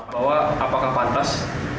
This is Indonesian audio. bahwa apakah pantas